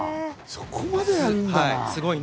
そこまでやるんだ。